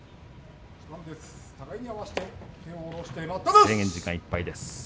制限時間いっぱいです。